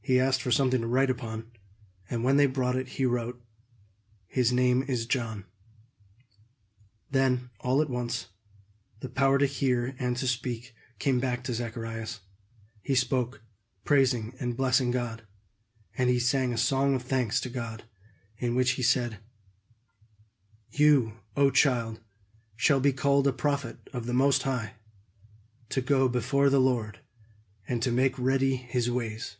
He asked for something to write upon; and when they brought it, he wrote, "His name is John." Then all at once, the power to hear and to speak came back to Zacharias. He spoke, praising and blessing God; and he sang a song of thanks to God, in which he said: "You O child, shall be called a prophet of the Most High; to go before the Lord, and to make ready his ways."